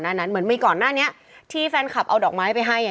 นั้นเหมือนมีก่อนหน้านี้ที่แฟนคลับเอาดอกไม้ไปให้อ่ะ